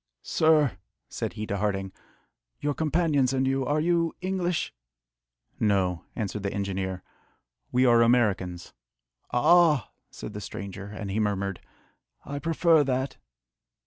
"Sir," said he to Harding, "your companions and you, are you English?" "No," answered the engineer, "we are Americans." "Ah!" said the stranger, and he murmured, "I prefer that!"